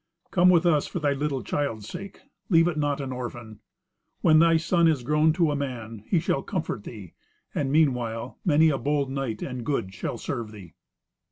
Come with us for thy little child's sake. Leave it not an orphan. When thy son is grown to a man he shall comfort thee; and meanwhile many a bold knight and good shall serve thee."